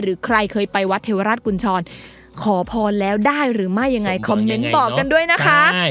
ใครเคยไปวัดเทวราชกุญชรขอพรแล้วได้หรือไม่ยังไงคอมเมนต์บอกกันด้วยนะคะ